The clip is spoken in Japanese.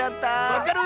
わかる！